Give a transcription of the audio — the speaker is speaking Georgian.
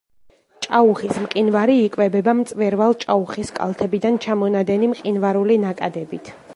ჭაუხის მყინვარი იკვებება მწვერვალ ჭაუხის კალთებიდან ჩამონადენი მყინვარული ნაკადებით.